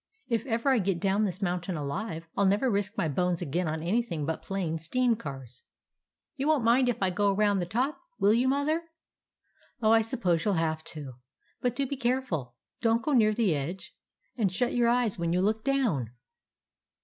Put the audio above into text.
If ever I get down this mountain alive, I 'll never risk my bones again on anything but plain steam cars." "You won't mind if I go around the top, will you. Mother?" "Oh, I suppose you 'll have to. But do be careful! Don't go near the edge, and shut your eyes when you look down